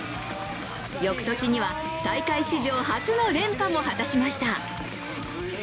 翌年には大会史上初の連覇も果たしました。